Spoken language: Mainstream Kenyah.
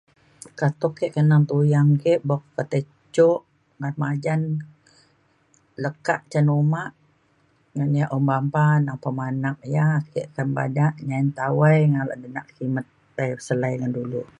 katuk ke kenang tuyang ke bok pa tai jo ngan majan lekak cin uma ngan ia' omba pa pemanak ia' ake ka bada jan tawai ngala denak kimet tai selai ngan dulu